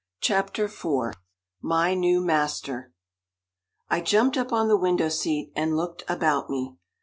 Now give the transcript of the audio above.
CHAPTER IV MY NEW MASTER I jumped up on the window seat and looked about me.